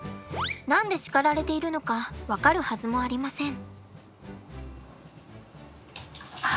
何で叱られているのか分かるはずもありません。